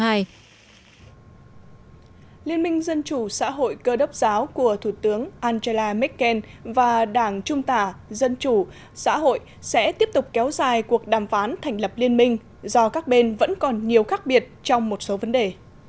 liên minh dân chủ xã hội cơ đốc giáo của thủ tướng angela merkel và đảng trung tả dân chủ xã hội sẽ tiếp tục kéo dài cuộc đàm phán thành lập liên minh do các bên vẫn còn nhiều khác biệt trong một số vấn đề